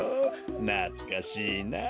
なつかしいなあ。